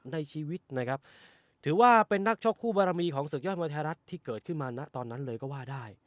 ในชีวิตนะครับถือว่าเป็นนักชกคู่บารมีของศึกยอดมวยไทยรัฐที่เกิดขึ้นมาณตอนนั้นเลยก็ว่าได้